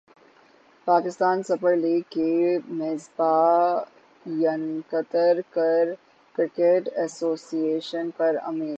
Pakistan super league کی میزبانیقطر cricket association پر امید